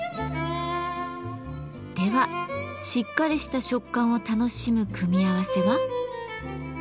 ではしっかりした食感を楽しむ組み合わせは？